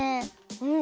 うん！